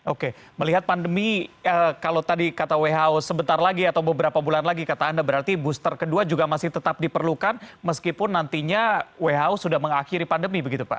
oke melihat pandemi kalau tadi kata who sebentar lagi atau beberapa bulan lagi kata anda berarti booster kedua juga masih tetap diperlukan meskipun nantinya who sudah mengakhiri pandemi begitu pak